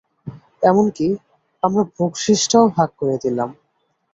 এমনকি আমরা বখশিশ টাও ভাগ করে দিলাম।